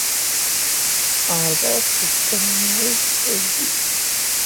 Ɛerḍeɣ ad sbeddeɣ iminig d ajdid.